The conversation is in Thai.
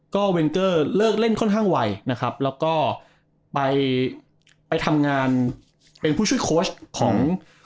ก็เวนเกอร์เลิกเล่นค่อนข้างไวนะครับแล้วก็ไปไปทำงานเป็นผู้ช่วยโค้ชของ